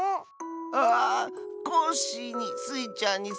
ああコッシーにスイちゃんにサボさん。